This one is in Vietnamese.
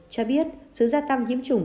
cho biết sự gia tăng nhiễm chủng